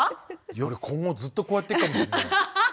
夜今後ずっとこうやってるかもしんない。